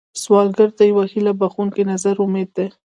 سوالګر ته یو هيله بښونکی نظر امید دی